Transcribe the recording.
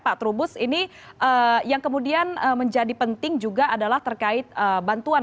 pak trubus ini yang kemudian menjadi penting juga adalah terkait bantuan